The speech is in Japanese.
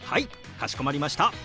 かしこまりました。